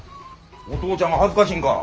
お父ちゃんが恥ずかしいんか。